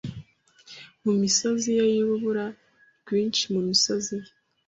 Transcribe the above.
Mu misozi ye yurubura rwinshi mu misozi ye